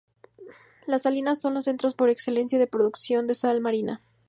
Las salinas son los centros por excelencia de producción de sal marina.